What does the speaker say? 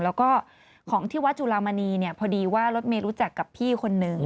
แล้วก็ของที่วัดจุลามณีเนี่ยพอดีว่ารถเมย์รู้จักกับพี่คนนึง